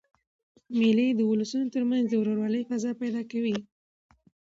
مېلې د اولسونو تر منځ د ورورولۍ فضا پیدا کوي.